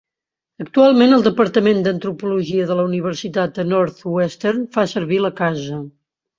Actualment, el Departament d'Antropologia de la Universitat de Northwestern fa servir la casa.